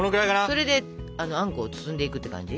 それであんこを包んでいくって感じ。